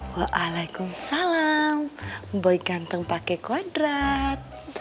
waalaikumsalam boy ganteng pakai kuadrat